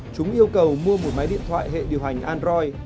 chúng yêu cầu mua một máy điện thoại hệ điều hành android